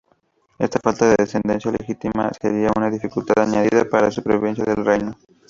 Esta falta de descendencia legítima sería una dificultad añadida para la supervivencia del reino.